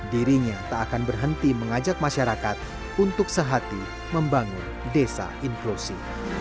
dirinya tak akan berhenti mengajak masyarakat untuk sehati membangun desa inklusi